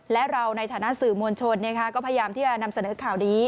และเราในฐานะสื่อมวลชนก็พยายามที่จะนำเสนอข่าวนี้